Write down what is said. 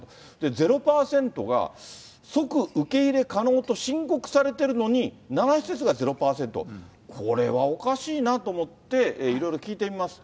０％が即受け入れ可能と申告されてるのに、７施設が０％、これはおかしいなと思っていろいろ聞いてみますと。